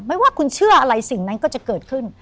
ไม่ว่าคุณเชื่ออะไรสิ่งนั้นก็จะเกิดขึ้น